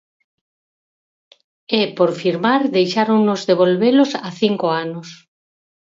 E, por firmar, deixáronnos devolvelos a cinco anos.